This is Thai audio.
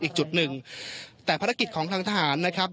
อีกจุดหนึ่งแต่ภารกิจของทางทหารนะครับ